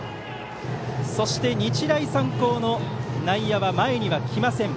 そして日大三高の内野は前には来ません。